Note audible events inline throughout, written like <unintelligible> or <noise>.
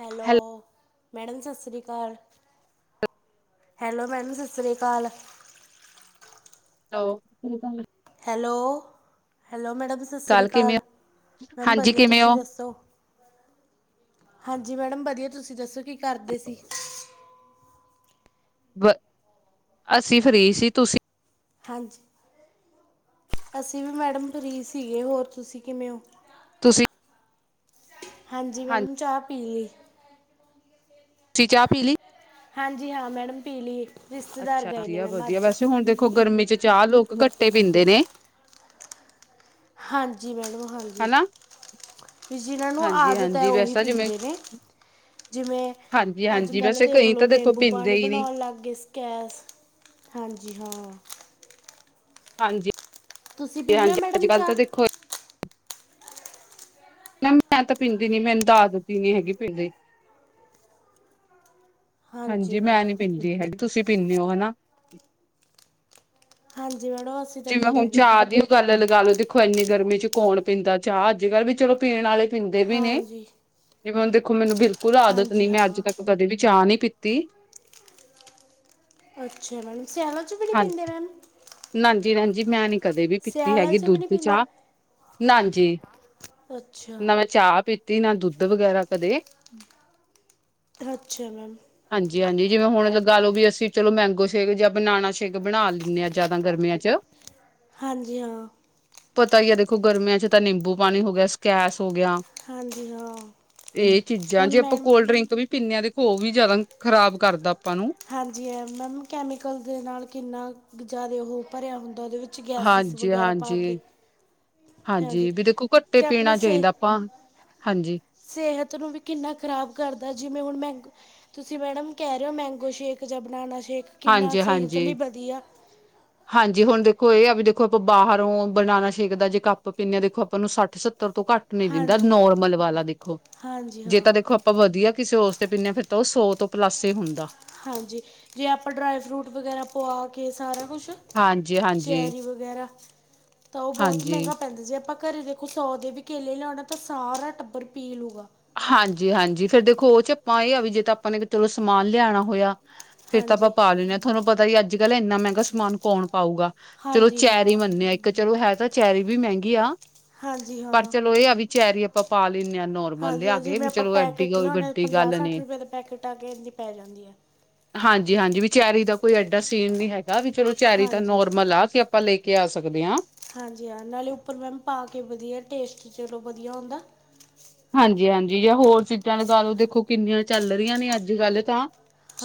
Hello. Madam ਸਤਿ ਸ਼੍ਰੀ ਅਕਾਲ, ਹੈਲੋ ਮੈਡਮ ਸਤਿ ਸ੍ਰੀ ਅਕਾਲ। ਹੈਲੋ। ਹੈਲੋ- ਹੈਲੋ, ਮੈਡਮ ਸਤਿ ਸ਼੍ਰੀ ਕਾਲ ਕਿਵੇਂ ਅਕਾਲ, ਹੋ? ਮੈਮ ਹਾਂਜੀ ਵਧੀਆ ਕਿਵੇਂ ਤੁਸੀਂ ਹੋ? ਦੱਸੋ। ਹਾਂਜੀ ਮੈਡਮ ਵਧੀਆ, ਤੁਸੀਂ ਦੱਸੋ ਕੀ ਕਰਦੇ ਸੀ। ਬ ਅਸੀਂ ਫਰੀ ਸੀ ਤੁਸੀਂ। ਹਾਂਜੀ ਅਸੀਂ ਵੀ ਮੈਡਮ ਫਰੀ, ਸੀਗੇ ਹੋਰ ਤੁਸੀਂ ਕਿਵੇਂ ਹੋ। ਤੁਸੀਂ। ਹਾਂਜੀ, ਮੈਡਮ ਚਾਹ ਪੀਲੀ। ਤੁਸੀ ਚਾਹ ਪੀਲੀ‌। ਹਾਂਜੀ ਹਾਂ ਮੈਡਮ ਪੀ ਲੀ। ਅੱਛਾ ਵਧੀਆ- ਵਧੀਆ, ਵੈਸੇ ਹੁਣ ਦੇਖੋ ਗਰਮੀ 'ਚ ਚਾਹ ਲੋਕ ਗੱਟੇ ਪੀਂਦੇ ਨੇ। ਹਾਂਜੀ ਮੈਡਮ -ਹਾਂਜੀ। ਹੈਨਾ। ਵੀ ਜਿਹਨਾਂ ਨੂੰ ਆਦਤ ਹੈ ਉਹੀ ਜਿਵੇਂ ਪੀਂਦੇ ਨੇ। ਜਿਵੇਂ ਹਾਂਜੀ ਅੱਜ ਹਾਂਜੀ ਕੱਲ੍ਹ ਵੈਸੇ ਦੇਖ ਕਈ ਲਓ, ਤਾਂ ਦੇਖੋ ਨਿੰਬੂ ਪੀਂਦੇ ਪਾਣੀ ਹੀ ਨੀ ਬਣਾਉਣ ਲੱਗ ਗਏ ਸੀ। ਕੈਸ਼ ਹਾਂਜੀ ਹਾਂ। ਹਾਂਜੀ ਤੁਸੀਂ ਪੀਂਦੇ ਹੋ -ਹਾਂਜੀ, ਅੱਜ ਮੈਡਮ ਕੱਲ੍ਹ ਚਾਹ ਤਾਂ ਦੇਖੋ ਇਕ। ਮੈਮ ਮੈਂ ਤਾਂ ਪੀਂਦੀ ਨੀ ਮੈਨੂੰ ਤਾਂ ਆਦਤ ਹੀ ਨੀ, ਹੈਗੀ ਪੀਂਣ ਦੀ। ਹਾਂਜੀ ਮੈਂ ਨੀ ਪੀਂਦੀ ਹੈਗੀ ਤੁਸੀਂ ਪੀਂਦੇ ਹੋ ਹਨਾ। ਹਾਂਜੀ ਮੈਡਮ ਅਸ। ਜਿਵੇਂ ਹੁਣ ਚਾਹ ਦੀ ਗੱਲ ਲਗਾ ਲਓ, ਦੇਖੋ ਇੰਨੀ ਗਰਮੀ 'ਚ ਕੌਣ ਪੀਂਦਾ, ਚਾਹ ਅੱਜ ਕੱਲ੍ਹ ਵੀ ਚਲੋ ਪੀਣ ਵਾਲੇ। ਪੀਂਦੇ ਵੀ ਨੇ ਹਾਂਜੀ ਜਿਵੇਂ ਹੁਣ ਦੇਖੋ ਮੈਨੂੰ, ਬਿਲਕੁਲ ਆਦਤ ਹਾਂਜੀ ਨੀ ਮੈਂ ਅੱਜ ਹਾਂ ਤੱਕ ਕਦੇ ਵੀ ਚਾਹ ਨਹੀਂ ਪੀ। ਤੀ। ਅੱਛਾ ਮੈਮ ਸਿਆਲਾ 'ਚ ਵੀ ਨੀ ਪੀਂਦੇ ਮੈਮ। ਨਾਜੀ - ਨਾਜੀ ਮੈਂ ਨੀ। ਕਦੇ ਵੀ ਪੀਤੀ ਸਿਆਲਾਂ ਹੈਗੀ 'ਚ ਵੀ ਦੁੱਧ ਨਹੀਂ ਤੇ ਪੀਂਦੇ ਚਾਹ ਨਾ ਜੀ ਅੱਛਾ ਨਵੇਂ। ਚਾਹ ਪੀਤੀ ਨਾ ਦੁੱਧ ਵਗੈਰਾ ਕਦੇ। ਹਮ, ਅੱਛਾ ਮੈਮ। ਹਾਂਜੀ -ਹਾਂਜੀ, ਜਿਵੇਂ ਹੁਣ ਲਗਾ ਲਓ ਵੀ ਅਸੀਂ ਚਲੋ ਮੈਂਗੋ ਸ਼ੇਕ ਜਾਂ ਬਨਾਨਾ ਸ਼ੇਕ ਬਣਾ ਲੈਂਦੇ ਹਾਂ। ਜਿਆਦਾ ਗਰਮੀਆਂ 'ਚ। ਹਾਂਜੀ ਹਾਂ। ਪਤਾ ਹੀ ਆ ਦੇਖੋ, ਗਰਮੀਆਂ 'ਚ ਤਾਂ ਨਿੰਬੂ ਪਾਣੀ ਹੋ ਗਿਆ ਸਕੈਸ ਹੋ ਗਿਆ। ਹਾਂਜੀ ਹਾਂ ਏ ਚੀਜ਼ਾਂ ਹੁਣ ਜੇ ਆਪਾਂ ਮੈਮ ਕੋਲਡਰਿੰਕ ਵੀ। ਪਿੰਨਿਆਂ ਤੇ ਘੋ ਵੀ ਜਾਦਾ ਖ਼ਰਾਬ ਕਰਦਾ ਆਪਾਂ ਨੂੰ। ਹਾਂਜੀ ਹੈ ਮੈਮ ਕੈਮੀਕਲ ਦੇ ਨਾਲ ਕਿੰਨਾ ਜਾਦੇ ਔ ਭਰਿਆ ਹੁੰਦਾ ਔਦੇ ਵਿੱਚ। ਚ ਗੈਸਿਸ ਹਾਂਜੀ ਵਗੈਰਾ ਪਾ ਕੇ। ਹਾਂਜੀ ਹਾਂਜੀ, ਵੀ ਦੇਖੋ ਘੱਟੇ ਪੀਣਾ ਚਾਈਦਾ ਆਪਾਂ ਹਾਂਜੀ। ਸੇਹਤ ਨੂੰ ਵੀ ਕਿੰਨਾ ਖ਼ਰਾਬ ਕਰਦਾ, ਜਿਵੇਂ ਹੁਣ ਮੈਂਗਲ, ਤੁਸੀਂ ਮੈਡਮ ਕੈ ਰੇ ਔ ਮੈਗੋ। ਮੈਗੋਸ਼ੇਕ ਜਾਂ ਬਨਾਨਾ ਸ਼ੇਕ ਕਿੰਨਾ ਹਾਂਜੀ ਸੇਹਤ ਹਾਂਜੀ ਲਈ ਵਧੀਆ। ਹਾਂਜੀ, ਹੁਣ ਦੇਖੋ ਏ ਹੈ ਬੀ ਦੇਖੋ, ਆਪਾਂ ਬਾਹਰੋਂ ਬਨਾਨਾ ਸ਼ੇਕ ਦਾ ਜੇ ਕੱਪ ਪੀਨੇ ਆ ਦੇਖੋ, ਆਪਾਂ ਨੂੰ ਸੱਠ ਸੱਤਰ ਤੋਂ ਘੱਟ। ਨਹੀਂ ਦਿੰਦਾ ਹਾਂਜੀ ਨੋਰਮਲ ਵਾਲਾ ਦੇਖੋ, ਹਾਂਜੀ ਜੇ ਤਾਂ ਹਾਂ ਦੇਖੋ। ਆਪਾਂ ਵਧੀਆ ਕਿਸੇ ਉਸ ਤੇ ਪੀਨੇ ਆ ਫਿਰ ਤਾਂ ਔ ਸੌ ਤੋਂ ਪਲਾੱਸ ਈ ਹੁੰਦਾ। ਹਾਂਜੀ, ਜੇ ਆਪਾਂ ਡਰਾਈ ਫਰੂਟ ਵਗੈਰਾ ਪਵਾ ਕੇ ਸਾਰਾ ਕੁਛ। ਹਾਂਜੀ ਹਾਂਜੀ ਚੈਰੀ ਵਗੈਰਾ, ਤਾਂ ਔ ਬੋ ਤ ਹਾਂਜੀ ਮੈਂਗਾ ਪੈਂਦਾ ਜੇ ਅਪਾਂ। ਘਰੇ ਦੇਖੋ ਸੌ ਦੇ ਵੀ ਕੇਲੇ ਲੇਔਣਾ ਤਾਂ ਸਾਰਾ ਟੱਬਰ ਪੀ ਲੂਗਾ। ਹਾਂਜੀ -ਹਾਂਜੀ, ਫੇਰ ਦੇਖੋ ਔ ਚੱ ਅਪਾ ਏਆ ਵੀ ਜੇ ਤਾਂ ਆਪਾਂ ਨੇ ਕਿਥੇ ਚਲੋ ਸਮਾਨ ਲਿਆਣਾ ਹੋਇਯਾ। ਫੇਰ ਤਾਂ ਆਪਾਂ ਹਾਂਜੀ ਪਾ ਲੈਂਣੇੇ ਹਾਂ, ਥਾਨੂੰ ਪਤਾ ਈ ਅੱਜ- ਕੱਲ ਏਨਾ ਮੈਂਗਾ ਸਮਾਨ ਕੌਣ ਪਾਊਗਾ। ਚਲੋ ਹਾਂਜੀ ਹਾਂ ਚੈਰੀ ਮੰਨੇ ਆ ਇੱਕ ਚਲੋ ਹੈ ਤਾਂ ਚੈਰੀ ਵੀ ਮੈਂਗੀ ਆ। ਹਾਂਜੀ ਹਾਂ ਪਰ ਚਲੋ ਏ ਆ ਵਿ ਚੈਰੀ ਆਪਾਂ ਪਾ ਲੈਨੇ ਆ ਨੋਰ ਹਾਂਜੀ-ਹਾਂਜੀ ਜਿਵੇਂ ਆਪਾਂ ਪੈਕੇਟ ਲੇਔਨੇ ਆ ਪੰਜਾਹ ਗੱਲ ਨੇ ਸੱਠ ਰੁਪਏ ਦੇ ਪੈਕੇਟ ਆ ਕੇ ਐਨੀ ਪੈ ਜਾਂਦੀ ਆ। ਹਾਂਜੀ-ਹਾਂਜੀ ਵੀ ਚੈਰੀ ਦਾ ਕੋਈ ਐਡਾ ਸੀਨ ਨੀ ਹੈਗਾ ਵੀ ਚਲੋ ਚੈਰੀ ਤਾਂ ਹਾਂਜੀ ਨੋਰਮਲ ਆ ਵੀ ਅ ਪਾਂ ਲੇ ਕੇ ਆ ਸਕਦੇ ਆ। ਹਾਂਜੀ ਹਾਂ ਨਾਲੇ ਉੱਪਰ ਮੈਮ ਪਾ ਕੇ ਵਧੀਆ ਟੇਸਟ ਚਲੋ ਵਧੀਆ ਔਂਦਾ। ਹਾਂਜੀ-ਹਾਂਜੀ ਜਾਂ ਹੋਰ ਚੀਜ਼ਾਂ ਲਗਾ ਲੋ ਦੇਖੋ ਕਿੰਨੀਆਂ ਚੱਲ ਰੀਆ ਨੇ ਅੱਜ ਕੱਲ੍ਹ ਤਾਂ।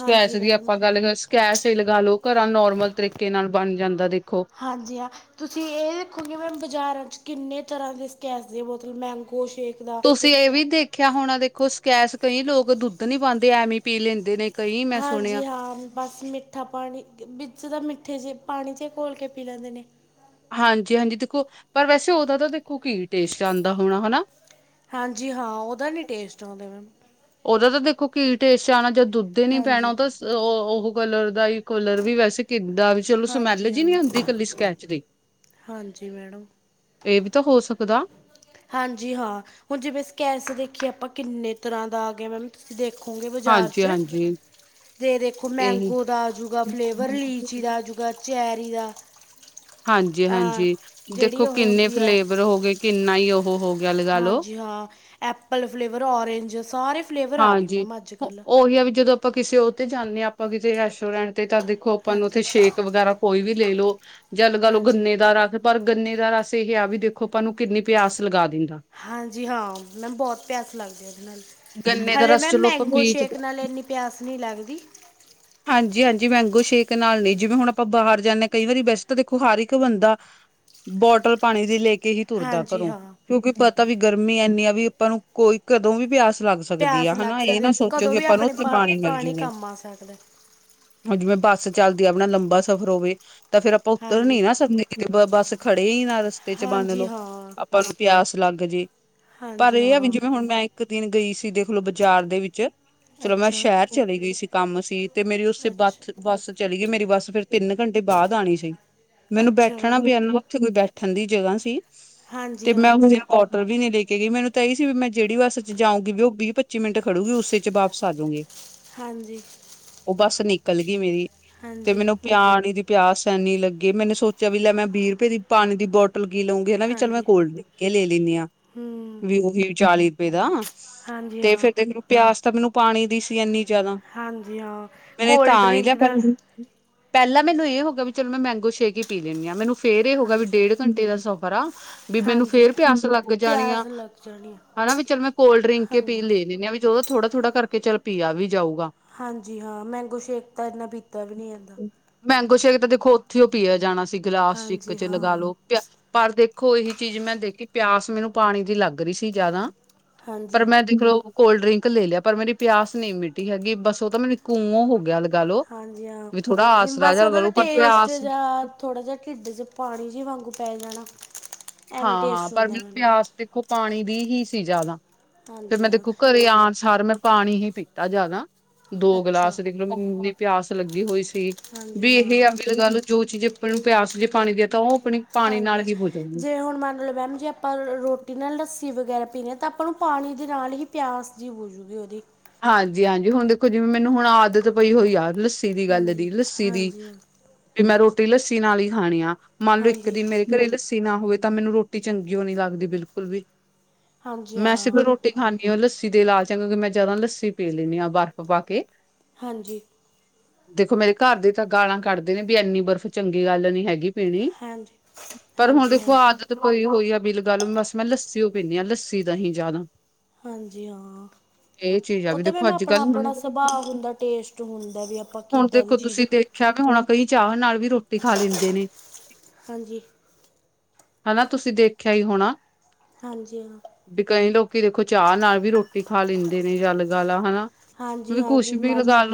ਸਕੈਸ਼ ਦੀ ਮੈਡਮ ਅਪਾਂ ਗੱਲ ਸਕੈਸ਼ ਏ ਲਗਾ ਲੋ ਘਰਾਂ ਨੋਰਮਲ ਤਰੀਕੇ ਨਾਲ ਬਣ ਜਾਂਦਾ ਦੇਖੋ। ਹਾਂਜੀ ਹਾਂ ਤੁਸੀਂ ਏ ਦੇਖੋਗੇ ਮੈਂਮ ਬਾਜ਼ਾਰਾਂ ਚ ਕਿੰਨੇ ਤਰ੍ਹਾਂ ਦੇ ਸਕੈਸ ਦੀ ਬੋਤਲ ਮੈਂਗੋ ਸ਼ੇਕ ਦਾ ਤੁਸੀਂ ਏ ਵੀ ਦੇਖਿਆ ਹੋਣਾ ਦੇਖੋ ਸਕੈਸ ਕਈ ਲੋਕ ਦੁੱਧ ਨੀ ਪਾਂਦੇ ਐਵੇਂ ਪੀ ਲੈਂਦੇ ਨੇ। ਕਈ ਮੈਂ ਹਾਂਜੀ ਸੁਣਿਆ। ਹਾਂ ਮ ਬਸ ਮਿੱਠਾ ਪਾਣੀ, ਵਿੱਚ ਤਾਂ ਮਿੱਠੇ ਜੇ ਪਾਣੀ ਚੇ ਘੋਲ ਕੇ ਪੀ ਲੈਂਦੇ ਨੇ। ਹਾਂਜੀ-ਹਾਂਜੀ ਦੇਖੋ ਪਰ ਵੈਸੇ ਔਦਾ ਤਾ ਦੇਖੋ ਕੀ ਟੇਸਟ ਆਂਦਾ ਹੋਣਾ ਹਨਾ? ਹਾਂਜੀ ਹਾਂ ਔਦਾ ਨੀ ਟੇਸਟ ਔਂਦਾ ਮੈਮ। ਔਦਾ ਤਾਂ ਦੇਖੋ ਕੀ ਟੇਸਟ ਆਣਾ, ਜਦ ਦੁੱਧ ਏ ਨੀ ਪੈਣਾ ਔ ਹਾਂਜੀ ਦੇ ਸ ਅ ਔ-ਔਹ ਕਲਰ ਦਾ ਈ ਕਲਰ ਵੀ ਵੈਸੇ ਕਿੱਦਾ ਚਲੋ ਸਮੈਲ ਹਾਂਜੀ ਜੀ ਹਾਂ ਨੀ ਆਂਦੀ ਇਕੱਲੀ ਸਕੈਚ ਦੀ? ਹਾਂਜੀ ਮੈਡਮ ਏ ਵੀ ਤਾਂ ਹੋ ਸਕਦਾ। ਹਾਂਜੀ ਹਾਂ, ਹੁਣ ਜਿਵੇਂ ਸਕੈਸ ਦੇਖੀਏ ਆਪਾਂ ਕਿੰਨੇ ਤਰ੍ਹਾਂ ਦਾ ਆ ਗਿਆ ਮੈਮ। ਤੁਸੀਂ ਦੇਖੋਗੇ ਬਜ਼ਾਰ ਚ। ਹਾਂਜੀ-ਹਾਂਜੀ ਤੇ ਦੇਖੋ ਇਹੀ ਮੈਂਗੋ ਦਾ ਆਜੂਗਾ ਫਲੇਵਰ, ਲੀਚੀ ਦਾ ਆਜੂ ਜਾ ਚੈਰੀ ਦਾ। ਅਮ ਹਾਂਜੀ-ਹਾਂਜੀ, ਜਿਹੜੀ ਦੇਖੋ ਉਹ ਕਿੰਨੇ ਹੁੰਦੀ ਹੈ ਫਲੇਵਰ ਹੋਗੇ, ਕਿੰਨਾ ਈ ਔਹ ਹੋ ਗਿਆ ਲਗਾ ਲੋ ਹਾਂਜੀ ਹਾਂ, ਐਪਲ ਫਲੇਵਰ, ਔਰੇਂਜ ਸਾਰੇ ਫਲੇਵਰ ਆ ਗਏ ਹਾਂਜੀ ਮੈਮ ਅੱਜ ਹੋਅ ਕੱਲ ਔਹੀ ਆ ਵੀ ਜਦੋਂ ਅ ਆਪਾਂ ਕਿਸੇ ਔ ਤੇ ਜਾਂਨੇ ਆ ਆਪਾਂ ਕਿਸੇ ਰੈਸਟੋਰੈਂਟ ਤੇ ਤਾਂ ਦੇਖੋ ਆਪਾਂ ਨੂੰ ਤਾਂ ਹਾਂਜੀ ਦੇਖੋ ਸ਼ੇਕ ਵਗੈਰਾ ਕੋਈ ਵੀ ਲੇਲੋ ਜਲ -ਗਲ ਹਾਂਜੀ ਗੰਨੇ ਦਾ ਰੱਸ ਪਰ ਗੰਨੇ ਦਾ ਰਸ ਏਹ ਆ ਵੀ ਦੇਖੋ ਆਪਾਂ ਨੂੰ ਕਿੰਨੀ ਪਿਆਸ ਲਗਾ ਦਿੰਦਾ। ਹਾਂਜੀ ਹਾਂ, ਮੈਮ ਬੋਤ ਪਿਆਸ ਲੱਗਦੀ ਆ ਏਦੇ ਨਾਲ, ਗੰਨੇ ਦਾ ਹਲੇੇ ਰਸ ਮੈਮ ਚਲੋ ਆਪਾਂ ਮੈਂਗੋ ਪੀ ਤਾਂ ਸ਼ੇਕ ਨਾਲ ਏਨੀ ਪਿਆਸ ਨੀ ਲੱਗਦੀ। ਹਾਂਜੀ-ਹਾਂਜੀ ਮੈਂਗੋ ਸ਼ੇਕ ਨਾਲ ਨੀ ਜਿਵੇਂ ਹੁਣ ਆਪਾਂ ਬਾਹਰ ਜਾਂਦੇ ਕਈ ਵਾਰੀ ਵੈਸੇ ਤਾਂ ਦੇਖੋ ਹਰ ਇੱਕ ਬੰਦਾ ਬੋਟਲ ਪਾਣੀ ਦੀ ਲੇ ਕੇ ਹੀ ਤੁਰਦਾ ਹਾਂਜੀ ਘਰੋਂ ਹਾਂ ਕਿਉਂਕਿ ਪਤਾ ਵੀ ਗਰਮੀ ਐਨੀ ਆ ਆਪਾਂ ਨੂੰ ਕੋਈ ਕਦੋਂ ਵੀ ਪਿਆਸ ਲੱਗ ਸਕਦੀ ਪਿਆਸ ਆ ਲੱਗ ਹਨਾ ਏ ਸਕਦੀ ਨਾ ਸੋਚੋ ਕੀ ਆਪਾਂ ਨੂੰ ਓਥੇ ਪਾਣੀ ਮਿਲਜੂਗੇ। ਮਾਸ ਹਟ ਦੇ ਹੁਣ ਜਿਵੇਂ ਬੱਸ ਚੱਲਦੀ ਆ ਆਪਣਾ ਲੰਬਾ ਸਫ਼ਰ ਹੋਵੇ ਤੇ ਫੇਰ ਆਪਾਂ ਉੱਤਰ ਨੀ ਹਾਂਜੀ ਨਾ ਸਕਦੇ। ਕਿਤੇ ਬ ਬੱਸ ਖੜੇ ਈ ਨਾ ਰਸਤੇ 'ਚ ਹਾਂਜੀ ਮੰਨਲੋ ਹਾਂ ਆਪਾਂ ਨੂੰ ਪਿਆਸ ਲੱਗ ਜੇ। ਪਰ ਹਾਂਜੀ ਏ ਆ ਵੀ ਹਾਂ ਜਿਵੇਂ ਹੁਣ ਮੈਂ ਇੱਕ ਦਿਨ ਗਈ ਸੀ ਦੇਖਲੋ ਬਾਜ਼ਾਰ ਦੇ ਵਿੱਚ ਚਲੋ ਮੈਂ ਅੱਛਾ ਸ਼ੈਰ ਚਲੀ ਗਈ ਸੀ ਕੰਮ ਸੀ ਤੇ ਮੇਰੀ ਉਸੇ ਬਥ ਅੱਛਾ ਬੱਸ ਚਲੀ ਗਈ ਮੇਰੀ ਬੱਸ ਫਿਰ ਤਿੰਨ ਘੰਟੇ ਬਾਦ ਆਣੀ ਸੀ। ਮੈਨੂੰ ਅੱਛਾ ਬੈਠਣਾ ਮੈਮ ਪਿਆ ਨਾ ਉੱਥੇ ਕੋਈ ਬੈਠਣ ਦੀ ਜਗ੍ਹਾ ਸੀ ਹਾਂਜੀ ਤੇ ਹਾਂ ਮੈਂ ਓਹਨੂੰ ਜਰਾ ਕੋਟਲ ਵੀ ਨੀ ਲੈ ਕੇ ਗਈ ਮੈਨੂੰ ਤਾਂ ਏ ਸੀ ਵੀ ਮੈਂ ਜੇੜੀ ਬੱਸ 'ਚ ਜਾਊਗੀ ਵੀ ਓ ਵੀਹ ਪੱਚੀ ਮਿੰਟ ਖੜੂਗੀ ਉਸੇ 'ਚ ਵਾਪਸ ਆ ਜੂਗੀ। ਹਾਂਜੀ। ਓਹ ਬਸ ਨਿਕਲ ਗੀ ਮੇਰੀ, ਤੇ ਹਾਂਜੀ ਮੈਨੂੰ ਪਿਆਣੀ ਦੀ ਪਿਆਸ ਐਨੀ ਲੱਗੀ ਮੈਨੇ ਸੋਚਿਆ ਵੀ ਲੈ ਮੈਂ ਵੀਹ ਰੁਪਏ ਦੀ ਪਾਣੀ ਦੀ ਬੋ ਐਪਲ ਕੀ ਲਊਗੀ ਹਨਾ ਵੀ ਚਲ ਮੈਂ ਹਾਂਜੀ ਕੋਲਡ ਡਰਿੰਕ ਏ ਲੈ ਲੈਨੀ ਆ ਹੂੰ ਵੀ ਓਹ ਵੀ ਚਾਲੀ ਰੁਪਏ ਦਾ। ਹਾਂਜੀ ਤੇ ਹਾਂ ਫੇਰ ਦੇਖ ਲਓ ਪਿਆਸ ਤਾਂ ਮੈਨੂੰ ਪਾਣੀ ਦੀ ਸੀ ਐਨੀ ਜਾਦਾ। ਹਾਂਜੀ ਹਾਂ ਮੈਨੇ ਕੋਲਡ ਤਾਂ ਨੀ ਲਿਆ ਡਰਿੰਕ ਪਰ ਨਾਲ ਪੈਲਾਂ ਪੈਲਾਂ ਮੈਨੂੰ ਏ ਹੋ ਗਿਆ ਵੀ ਚਲ ਮੈਂ ਮੈਂਗੋ ਸੇਕ ਈ ਪੀ ਲੈਣੀ ਆ ਮੈਨੂੰ ਫੇਰ ਏ ਹੋਗਿਆ ਵੀ ਹਾਂਜੀ ਡੇਢ ਘੰਟੇ ਦਾ ਸਫ਼ਰ ਆ ਵੀ ਮੈਨੂੰ ਹਾਂਜੀ ਫੇਰ ਪਿਆਸ ਲੱਗ ਜਾਣੀ ਆ। ਪਿਆਸ ਲੱਗ ਜਾਣੀ ਆ ਹਨਾ ਵੀ ਚੱਲ ਮੈਂ ਕੋਲਡ ਡਰਿੰਕ ਏ ਪੀ ਹਾਂਜੀ ਲੇ ਲੈਨੀ ਆ ਚਲੋ ਓ ਥੋੜਾ-ਥੋੜ੍ਹਾ ਕਰਕੇ ਚੱਲ ਪੀਆ ਵੀ ਜਾਊਗਾ। ਹਾਂਜੀ ਹਾਂ ਮੈਂਗੋ ਸ਼ੇਕ ਤਾਂ ਇੰਨਾ ਪੀਤਾ ਵੀ ਨਹੀਂ ਜਾਂਦਾ ਮੈਂਗੋ ਸ਼ੇਕ ਤਾਂ ਦੇਖੋ ਉੱਥੇ ਉਹ ਪੀਆ ਜਾਣਾ ਸੀ ਗਿਲਾਸ 'ਚ ਇੱਕ ਹਾਂਜੀ 'ਚ ਲਗਾ ਹਾਂ ਲੋ ਪਰ ਦੇਖੋ ਇਹੀ ਚੀਜ਼ ਮੈਂ ਦੇਖੀ ਪਿਆਸ ਮੈਨੂੰ ਪਾਣੀ ਦੀ ਲੱਗ ਰਹੀ ਸੀ ਜਿਆਦਾ ਪਰ ਹਾਂਜੀ ਮੈਂ ਦੇਖ ਲੋ ਕੋਲਡਰਿੰਕ ਲੈ ਲਿਆ ਪਰ ਮੇਰੀ ਪਿਆਸ ਨਹੀਂ ਮਿਟੀ ਹੈਗੀ ਬਸ ਓ ਤੇ ਮੈਨੂੰ ਘੂੰ ਹੋ ਗੇਯਾ ਏ। ਹਾਂਜੀ ਹਾਂ, ਨਹੀ ਬਸ ਉਹਦਾ ਲਗਾ ਦਾ ਲੋ ਪਰ ਟੇਸਟ ਪਿਆਸ ਜਾ ਥੋੜ੍ਹਾ ਜਿਹਾ ਢਿੱਡ 'ਚ ਪਾਣੀ ਜਿਹੀ ਵਾਂਗੂੰ ਪੈ ਜਾਣਾ' ਐਵੇਂ ਹਾਂ-ਹਾਂ ਟੇਸਟ ਪਰ ਹੁੰਦਾ ਮੈਨੂੰ ਪਿਆਸ ਦੇਖੋ ਪਾਣੀ ਦੀ ਹੀ ਸੀ ਜਿਆਦਾ ਤੇ ਹਾਂਜੀ ਮੈਂ ਹਾਂ ਦੇਖੋ ਘਰੇ ਆਉਣ ਸਾਰ ਮੈਂ ਪਾਣੀ ਹੀ ਪੀਤਾ ਜਾਦਾ ਦੋ ਅੱਛਾ ਗਿਲਾਸ ਦੇਖ ਲਓ ਮੈਨੂੰ ਇਨੀ ਪਿਆਸ ਲੱਗੀ ਹੋਈ ਸੀ। ਹਾਂਜੀ ਵੀ ਹਾਂ ਇਹ ਅਗਲਿ ਜੋ ਚੀਜ਼ ਆਪਣ ਨੂੰ ਪਿਆਸ ਜੇ ਪਾਣੀ ਦੀ ਤਾਂ ਉਹ ਆਪਣੀ ਪਾਣੀ ਨਾਲ ਹਾਂਜੀ, ਹੀ ਬੁਝੂਗੀ ਜੇ ਹੁਣ ਮੰਨ ਲਓ ਮੈਮ ਜੀ ਅਪ ਆਪਾਂ ਰੋਟੀ ਨਾਲ ਲੱਸੀ ਵਗੈਰਾ ਪੀਣੀ ਹਾਂ ਤਾਂ ਆਪਾਂ ਨੂੰ ਪਾਣੀ ਦੇ ਨਾਲ ਹੀ ਪਿਆਸ ਜਿ ਹੋਜੂਗੀ ਉਹਦੀ ਹਾਂਜੀ- ਹਾਂਜੀ ਹੁਣ ਦੇਖੋ ਜਿਵੇਂ ਮੈਨੂੰ ਹੁਣ ਆਦਤ ਪਈ ਹੋਈ ਆ ਲਸ ਲੱਸੀ ਦੀ ਗੱਲ ਹਾਂਜੀ ਦੀ, ਲੱਸੀ ਦੀ ਹਾਂਜੀ ਹਾਂ ਵੀ ਮੈਂ ਰੋਟੀ ਲੱਸੀ ਨਾਲ ਹੀ ਖਾਣੀ ਆ, ਮੰਨ ਲਓ ਇੱਕ ਹਾਂਜੀ ਦਿਨ ਮੇਰੇ ਘਰੇ ਲੱਸੀ ਲੱਸੀ ਨਾ ਹੋਵੇ ਤਾਂ ਮੈਨੂੰ ਰੋਟੀ ਚੰਗੀ ਔ ਨੀ ਲੱਗਦੀ ਬਿਲਕੁਲ ਵੀ ਹਾਂਜੀ ਮੈਂ ਹਾਂ ਸਿਰਫ ਰੋਟੀ ਰੋਟੀ ਖਾਂਦੀ ਹੋ ਲੱਸੀ ਦੇ ਲਾਲਚ 'ਚ ਮੈਂ ਜਿਆਦਾ ਲੱਸੀ ਪੀ ਲੈਂਦੀ ਹਾਂ ਬਰਫ਼ ਪਾ ਕੇ ਹਾਂਜੀ ਦੇਖੋ ਮੇਰੇ ਘਰ ਦੇ ਤਾਂ ਗਾਲਾਂ ਕੱਢਦੇ ਨੇ ਵੀ ਇੰਨੀ ਬਰਫ਼ ਚੰਗੀ ਗੱਲ ਨੀ ਹੈਗੀ ਪੀਣੀ, ਹਾਂਜੀ ਪਰ ਹੁਣ ਹਾਂਜੀ ਦੇਖੋ ਹਾਂ ਆਦਤ ਆਦਤ ਹੋਈ ਆ ਬਿਲ ਗੱਲ ਬਸ ਮੈਂ ਲੱਸੀਓ ਪੀਂਦੀ ਹਾਂ ਲੱਸੀ ਦਹੀ ਜਿਆਦਾ ਹਾਂਜੀ ਹਾਂ ਚੀਜ਼ ਆ ਉਹ ਵੀ ਤਾਂ ਦੇਖੋ ਮੈਮ ਅੱਜ ਆਪਣਾ ਕੱਲ੍ਹ ਹੁਣ ਆਪਣਾ ਸੁਭਾਅ ਹੁੰਦਾ ਟੇਸਟ ਹੁੰਦਾ ਵੀ ਆਪਾਂ ਹੁਣ ਕਿੱਦਾਂ ਦੀ ਦੇਖੋ ਚੀਜ਼ ਤੁਸੀਂ ਦੇਖਿਆ ਵੀ ਹੋਣਾ ਕਈ ਚਾਹ ਨਾਲ ਵੀ ਰੋਟੀ ਖਾ ਲੈਂਦੇ ਨੇ ਹਾਂਜੀ ਹਨਾ ਤੁਸੀਂ ਦੇਖਿਆ ਹੀ ਹੋਣਾ ਹਾਂਜੀ ਹਾਂ ਵੀ ਕਈ ਲੋਕੀ ਦੇਖੋ ਚਾਹ ਨਾਲ ਵੀ ਰੋਟੀ ਖਾ ਲੈਂਦੇ ਨੇ, ਯਾ ਲਗਾਲਾ ਹੈਨਾ ਹਾਂਜੀ -ਹਾਂਜੀ ਮਰਜੀ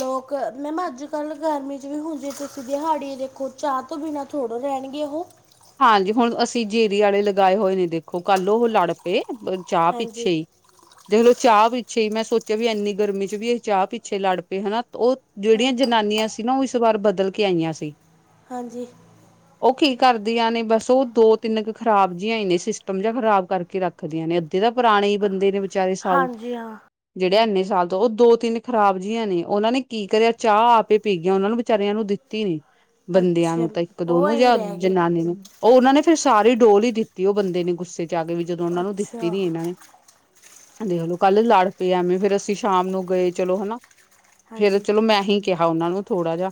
ਲੋਕ, ਮੈਮ ਅੱਜ ਕੱਲ ਗਰਮੀ ਵੀ ਹੁੰਨ ਜੇ ਤੁਸੀਂ ਦਿਹਾੜੀ ਦੇਖੋ, ਚਾਹ ਤੋਂ ਬਿਨਾਂ ਥੋੜੋ ਰਹਿਣਗੇ ਉਹ ਹਾਂਜੀ ਹੁਣ ਅਸੀਂ ਜੇਰੀ ਵਾਲੇ ਲਗਾਏ ਹੋਏ ਨੇ ਦੇਖੋ, ਕੱਲ ਉਹ ਲੜ ਪਏ ਚਾਹ ਪਿੱਛੇ ਹੀ ਹ <unintelligible> ਦੇਖਲੋ ਚਾਹ ਪਿੱਛੇ ਹੀ, ਮੈਂ ਸੋਚਿਆ ਵੀ ਇੰਨੀ ਗਰਮੀ 'ਚ ਵੀ ਅਸੀਂ ਚਾਹ ਪਿੱਛੇ ਲੜ ਪਏ ਹੈਨਾ ਉਹ ਜਿਹੜੀਆਂ ਹਾਂਜੀ ਜਨਾਨੀਆਂ ਸੀ ਨਾ, ਉਹ ਇਸ ਵਾਰ ਬਦਲ ਕੇ ਆਈਆਂ ਸੀ। ਹਾਂਜੀ ਉਹ ਕੀ ਕਰਦਾ ਆਂ ਨੇ ਬਸ ਉਹ ਦੋ ਤਿੰਨ ਕੁ ਖਰਾਬ ਜਿਹੀ ਹੀ ਨੇ, ਸਿਸਟਮ ਜਿ ਖਰਾਬ ਕਰਕੇ ਰੱਖਦੀਆਂ ਨੇ ਅੱਧੇ ਤਾਂ, ਪੁਰਾਣੇ ਹੀ ਬੰਦੇ ਨੇ ਵਿਚਾਰੇ ਸਾਊ ਹਾਂਜੀ ਹਾਂ ਜਿਹੜੇ ਇੰਨੇ ਸਾਲ ਤੋਂ, ਉਹ ਦੋ ਤਿੰਨ ਖਰਾਬ ਜੀਆਂ ਨੇ ਉਹਨਾਂ ਨੇ ਕੀ ਕਰਿਆ, ਚਾਹ ਆਪ ਪੀ ਗਅਈਆ ਉਹਨਾਂ ਨੂੰ ਵਿਚਾਰੀਆਂ ਨੂੰ ਦਿੱ ਨੀ ਬੰਦਿਆਂ ਅੱਛਾ ਨੂੰ, ਤਾਂ ਇੱਕ ਉਹ ਦੋਨੋ ਐਂ ਜਾਂ ਰਹਿ ਗਏ ਜਨਾਨੀ ਨੂੰ ਉਹ ਉਹਨਾਂ ਨੇ ਫਿਰ ਸਾਰੀ ਡੋਲ ਹੀ ਦਿੱਤੀ, ਉਹ ਬੰਦੇ ਨੇ ਗੁੱਸੇ ਜਗ ਵਿਚ ਵੀ ਜਦੋਂ, ਉਹਨਾਂ ਨੂੰ ਦਿੱਤੀ ਅੱਛਾ ਨੀ ਇਹਨਾਂ ਨੇ ਕਂਹਦੇ ਓਨੂ ਕੱਲ ਲੜ ਪਏ ਐਵੇਂ, ਫੇਰ ਅਸੀਂ ਸ਼ਾਮ ਨੂੰ ਗਏ ਚਲੋ ਹਨਾ, ਫੇਰ ਹਾਂਜੀ ਚਲੋ ਮੈਂ ਹੀ ਕਿਹਾ ਉਹਨਾ ਨੂੰ ਥੋੜਾ ਜਿਹਾ,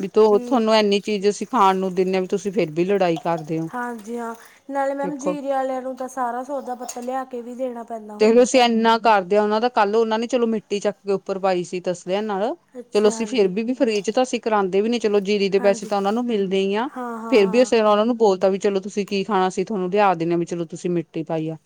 ਵੀ ਤੂੰ ਤੁਹਾਨੂੰ ਐੰਨੀ ਚੀਜ਼ ਅਸੀ ਖਾਣ ਨੂੰ ਦਿੰਦੇ ਹ ਵੀ ਤੁਸੀਂ ਫਿਰ ਵੀ ਲੜਾਈ ਕਰਦੇ ਹੋ ਹਾਂਜੀ ਹਾਂ ਨਾਲੇ ਮੈਮ ਦੇਖੋ ਜੀਰੀ ਆਲਿਆਂ ਨੂੰ ਤਾਂ, ਸਾਰਾ ਸੌਦਾ ਪੱਤਾ ਲਿਆ ਕੇ ਵੀ ਦੇਣਾ ਪੈਂਦਾ ਹੁੰਦਾ। ਕਰਦਿਆਂ ਉਹਨਾਂ ਦਾ ਕੱਲ ਉਹਨਾਂ ਨੇ ਚਲੋ ਮਿੱਟੀ ਚੱਕ ਕੇ ਉੱਪਰ ਪਾਈ ਸੀ, ਤਸਦੇ ਨਾਲ ਚਲੋ ਅੱਛਾ ਅਸੀਂ ਫੇਰ ਹਾਂਜੀ ਵੀ ਫਰੀ ਚ ਤਾਂ ਅਸੀਂ ਕਰਾਉਂਦੇ ਵੀ ਨੀ, ਚਲੋ ਜੀਰੀ ਦੇ ਪੈਸੇ ਹਾਂਜੀ ਤਾਂ ਉਹਨਾ ਨੂੰ ਮਿਲਦੇ ਈ ਆ ਹਾਂ ਹਾਂ ਫੇਰ ਵੀ ਹਾਂ ਉਸੇ ਨਾਲ ਉਹਨਾਂ ਨੂੰ ਬੋਲਤਾ ਵੀ ਚਲੋ ਤੁਸੀਂ ਕੀ ਖਾਣਾ, ਅਸੀ ਤੁਹਾਨੂੰ ਲਿਆ ਦਿੰਦੇ ਹਾਂ, ਵੀ ਚਲੋ ਤੁਸੀਂ ਮਿੱਟੀ ਪਾਈ ਆ।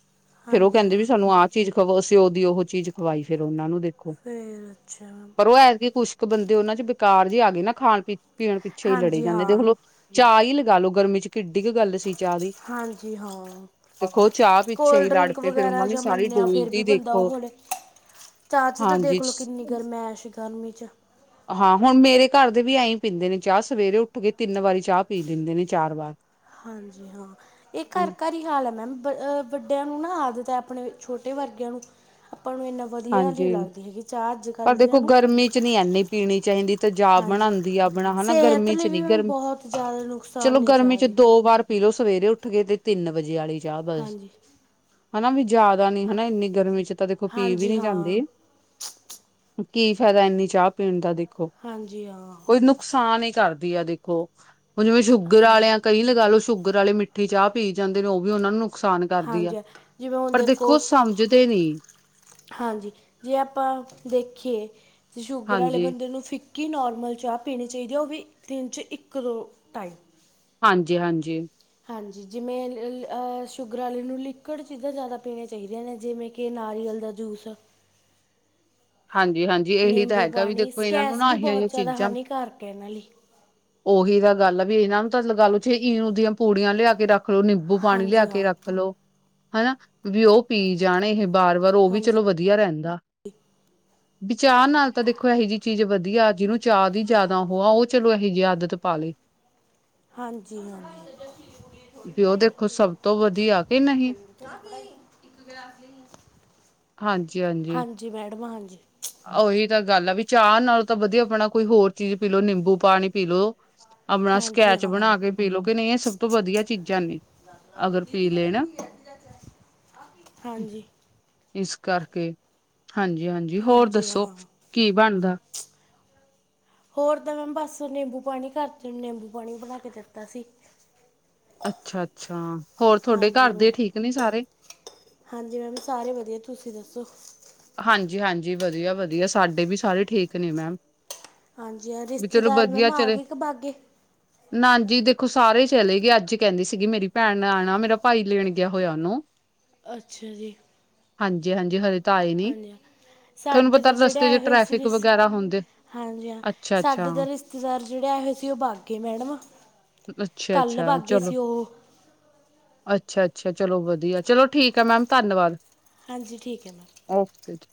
ਫੇਰ ਉਹ ਹਾਂਜੀ ਕਹਿੰਦੇ ਵੀ ਹਾਂ ਸਾਨੂੰ ਆਹ ਚੀਜ਼ ਖਵਾੋ, ਅਸੀਂ ਉਹਦੀ ਉਹ ਚੀਜ਼ ਖਵਾਈ ਫਿਰ ਉਹਨਾ ਨੂੰ ਦੇਖੋ <unintelligible> ਅੱਛਾ। ਪਰ ਉਹ ਹੈ ਹੀ ਖੂਛਕ ਬੰਦੇ ਉਹਨਾਂ ਚ ਬਕਾਰ ਜਿ ਆ ਗਏ ਨਾ, ਖਾਣ ਪੀ ਪੀਣ ਪਿੱਛੇ ਹੀ ਲਡੀ ਹਾਂਜੀ ਜਾਂਦੇ ਹਾਂ ਦੇਖਲੋ। ਚਾਹ ਹੀ ਲਗਾ ਲੋ ਗਰਮੀ 'ਚ, ਕਿੱਡੀ ਕੁ ਗੱਲ ਸੀ। ਚਾਹ ਦੀ ਹਾਂਜੀ ਹਾਂ। ਦੇਖੋ ਚਾਹ ਪਿੱਛੇ ਕੋਲਡ ਹੀ ਲੜ ਡ੍ਰਿੰਕ ਪਏ ਫੇਰ ਉਹਨਾਂ ਵਗੈਰਾ ਨੇ ਜਾਂ ਸਾਰੀ ਮੰਨਿਆ, ਫੇਰ ਵੀ ਡੋਲਦੀ ਬੰਦਾ ਉਹ ਦੇਖੋ ਹੋੜੇ ਚਾ ਚੂ ਤਾਂ ਹਾਂਜੀ ਦੇਖਲੋ ਕਿੰਨੀ ਗਰਮੈਸ਼ ਗਰਮੀ 'ਚ ਹਾਂ ਹੁਣ ਮੇਰੇ ਘਰ ਦੇ ਵੀ ਐ ਹੀ ਪੀਂਦੇ ਨੇ ਚਾਹ, ਸਵੇਰੇ ਉੱਠ ਕੇ ਤਿੰਨ ਵਾਰੀ ਚਾਹ ਪੀ ਲੈਂਦੇ ਨੇ ਚਾਰ ਵਾਰ। ਹਾਂਜੀ ਹਾਂ, ਇਹ ਘਰ ਘਰ ਹੀ ਕਿ ਹਾਲ ਹੈ ਮੈਮ, ਵੱਡਿਆਂ ਨੂੰ ਨਾ ਆਦਤ ਹੈ, ਆਪਣੇ ਛੋਟੇ ਵਰਗਿਆਂ ਨੂੰ, ਆਪਾਂ ਵੀ ਨਾ ਹਾਂਜੀ, ਪਰ ਦਿਆਂ ਦੇਖੋ ਨੂੰ ਗਰਮੀ 'ਚ ਨਹੀਂ ਐਨੀ ਪੀਣੀ ਚਾਹੀਦੀ। ਤੇਜਾਬ ਹਾਂਜੀ। ਹਾਂ, ਬਣਾਉਂਦੀ ਆਪਣਾ ਹਨਾ ਸਿਹਤ ਗਰਮੀ 'ਚ ਲਈ ਨੀ, ਵੀ ਮੈਮ ਗਰਮੀ ਬਹੁਤ ਜ਼ਿਆਦਾ ਨੁਕਸਾਨ ਚਲੋ ਨਹੀਂ ਗਰਮੀ ਚਾਹ 'ਚ ਦੀ ਦੋ ਵਾਰ ਪੀਲੋ ਸਵੇਰੇ ਉੱਠ ਕੇ, ਤੇ ਤਿੰਨ ਵਜੇ ਵਾਲੀ ਚਾਹ ਬਸ। ਹਾਂਜੀ। ਹਨਾ ਵੀ ਜ਼ਿਆਦਾ ਨੀ, ਹਾਂ ਹਨਾ ਇੰਨੀ ਗਰਮੀ 'ਚ ਤਾਂ ਦੇਖੋ ਪੀ ਵੀ ਹਾਂਜੀ ਨੀ ਹਾਂ ਜਾਂਦੀ ਕੀ ਫਾਇਦਾ ਇੰਨੀ ਚਾਹ ਪੀਣ ਦਾ, ਦੇਖੋ। ਹਾਂਜੀ ਹਾਂ। ਕੋਈ ਨੁਕਸਾਨ ਹੀ ਕਰਦੀ ਆ ਦੇਖੋ, ਜਿਵੇਂ ਸ਼ੂਗਰ ਹਾਂਜੀ। ਵਾਲਿਆਂ ਕਈ ਲਗਾ ਲਓ ਸ਼ੂਗਰ ਵਾਲੇ ਮਿੱਠੀ ਚਾਹ ਪੀ ਜਾਂਦੇ ਨੇ। ਉਹ ਵੀ ਉਹਨਾਂ ਨੂੰ ਨੁਕਸਾਨ ਕਰਦੀ ਆ, ਹਾਂਜੀ ਜਿਵੇਂ ਹੁਣ ਪਰ ਦੇਖੋ ਸਮਝਦੇ ਨੀ। ਹਾਂਜੀ, ਜੇ ਆਪਾਂ ਦੇਖੀਏ ਸ਼ੂਗਰ ਵਾਲੇ ਹਾਂਜੀ, ਬੰਦੇ ਨੂੰ ਫੀ ਕਿ ਨਾਰਮਲ ਚਾਹ ਪੀਣੀ ਚਾਹੀਦੀ ਉਹ ਵੀ, ਦਿਨ 'ਚ ਇੱਕ ਦੋ ਟਾਈਮ। ਹਾਂਜੀ, ਹਾਂਜੀ। ਹਾਂਜੀ, ਜਿਵੇਂ ਅਹ ਸ਼ੂਗਰ ਆਲੇ ਨੂੰ ਲਿਕੁਡ ਚੀਜ਼ਾਂ ਜ਼ਿਆਦਾ ਪੀਣੀਆਂ ਚਾਹੀਦੀਆਂ ਨੇ ਜਿਵੇਂ ਕਿ ਕਿ ਨਾਰੀਅਲ ਦਾ ਜੂਸ। ਹਾਂਜੀ-ਹਾਂਜੀ, ਇਹੀ ਤਾਂ ਨਿੰਬੂ ਹੈਗਾ ਵੀ ਪਾਣੀ ਦੇਖੋ ਇਹਨਾਂ ਨੂੰ ਸਕੈਸ ਨਾ ਵੀ ਏਹੀਆ ਜਿਆ ਬਹੁਤ ਜ਼ਿਆਦਾ ਚੀਜ਼ਾਂ। ਹਾਨੀਕਾਰਕ ਹੈ ਇਹਨਾਂ ਲਈ ਉਹੀ ਤਾਂ ਗੱਲ ਆ ਵੀ ਇਹਨਾਂ ਨੂੰ ਤਾਂ ਲਗਾ ਲੋ ਇਨੋ ਦੀਆਂ ਪੂੜੀਆਂ ਲਿਆ ਕੇ ਰੱਖ ਰੱਖ ਲਓ ਨਿੰਬੂ ਪਾਣੀ ਲਿਆ ਹਾਂਜੀ ਕੇ ਹਾਂ ਰੱਖ ਲਓ, ਹੈਨਾ ਵੀ ਉਹ ਪੀ ਜਾਣੇ ਏਹ ਬਾਰ ਪਰ ਉਹ ਵੀ ਹਾਂਜੀ ਚਲੋ ਵਧੀਆ ਰਹਿੰਦਾ। ਵਿ ਚਾਹ ਨਾਲ ਤਾਂ ਦੇਖੋ ਇਹੋ ਜਿਹੀ ਚੀਜ਼ ਵਧੀਆ, ਜਿਹਨੂੰ ਚਾਹ ਦੀ ਜ਼ਿਆਦਾ ਔਹੋ ਆ ਉਹ ਚਲੋ ਇਹੋ ਜਿਹੀ ਆਦਤ ਪਾਵੇ। ਹਾਂਜੀ ਹਾਂ। ਵੀ ਉਹ ਦੇਖੋ ਸਭ ਤੋਂ ਵਧੀਆ ਕਿ ਨਹੀਂ। <inaudible> ਹਾਂਜੀ-ਹਾਂਜੀ, ਹਾਂਜੀ ਮੈਡਮ ਹਾਂਜੀ। ਉਹੀ ਤਾਂ ਗੱਲ ਆ ਵੀ ਚਾਹ ਨਾਲੋਂ ਤਾਂ ਵਧੀਆ ਆਪਣਾ ਕੋਈ ਹੋਰ ਚੀਜ਼ ਪੀ ਲੋ ਨਿੰਬੂ ਪਾਣੀ ਪੀ ਲਓ। ਆਪਣਾ ਹਾਂਜੀ ਸਕੈਚ ਹਾਂ ਬਣਾ ਕੇ ਪੀਲੋ ਕਿ ਨਹੀਂ ਇਹ ਸਭ ਤੋਂ ਵਧੀਆ ਚੀਜ਼ਾਂ ਨੇ। ਅਗਰ ਪੀ ਲੈ ਨਾ ਹਾਂਜੀ, ਇਸ ਕਰਕੇ ਹਾਂਜੀ-ਹਾਂਜੀ ਹੋਰ ਹਾਂਜੀ ਦੱਸੋ, ਹਾਂ ਕੀ ਬਣਦਾ? <inaudible> ਹੋਰ ਤਾਂ ਮੈਂ ਬਸ ਨਿੰਬੂ ਪਾਣੀ ਘਰ ਤੀ ਨਿੰਬੂ ਪਾਣੀ ਬਣਾ ਕੇ ਦਿੱਤਾ ਸੀ। ਅੱਛਾ-ਅੱਛਾ, ਹੋਰ ਤੁਹਾਡੇ ਹਾਂਜੀ ਘਰ ਮੈਮ ਦੇ ਠੀਕ ਨੇ ਸਾਰੇ? ਹਾਂਜੀ ਮੈਮ ਸਾਰੇ ਵਧੀਆ, ਤੁਸੀਂ ਦੱਸੋ? ਹਾਂਜੀ-ਹਾਂਜੀ ਵਧੀਆ-ਵਧੀਆ ਸਾਡੇ ਵੀ ਸਾਰੇ ਠੀਕ ਨੇ ਮੈਮ। ਹਾਂਜੀ, ਵੀ ਚਲੋ ਰਿਸ਼ਤੇਦਾਰ ਮੈਮ ਆ ਗਏ ਕ ਬਾਗੇ ਨਾ ਜੀ ਦੇਖੋ ਸਾਰੇ ਚਲੇ ਗਏ ਅੱਜ ਕਹਿੰਦੀ ਸੀਗੀ ਮੇਰੀ ਭੈਣ ਆਣਾ, ਮੇਰਾ ਭਾਈ ਲੈਣ ਗਿਆ ਹੋਇਆ ਉਹਨੂੰ। ਅੱਛਾ ਜੀ। ਹਾਂਜੀ-ਹਾਂਜੀ ਹਲੇ ਤਾਂ ਆਈ ਨੀ। ਹਾਂਜੀ ਹਾਂ ਥੋਨੂੰ ਸਾਡੇ ਪਤਾ ਤਾਂ ਜਿਹੜੇ ਰਸਤੇ ਆਏ ਚ ਹੋਏ ਸੀ ਟ੍ਰੈਫਿਕ ਰਿਸ ਵਗੈਰਾ ਹੁੰਦੇ। ਹਾਂਜੀ ਹਾਂ ਸਾਡੇ ਅੱਛਾ-ਅੱਛਾ ਤਾਂ ਰਿਸ਼ਤੇਦਾਰ ਜਿਹੜੇ ਆਏ ਹੋਏ ਸੀ, ਉਹ ਵਾਗੇ ਮੈਡਮ। ਕੱਲ ਅੱਛਾ-ਅੱਛਾ ਵਗੇ ਚਲੋ ਸੀ ਉਹੋ ਅੱਛਾ-ਅੱਛਾ ਚਲੋ ਵਧੀਆ ਚਲੋ ਠੀਕ ਐ ਮੈਮ ਧੰਨਵਾਦ। ਹਾਂਜੀ ਠੀਕ ਐ ਮੈਮ, ਓਕੇ ਜੀ।